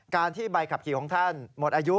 ที่ใบขับขี่ของท่านหมดอายุ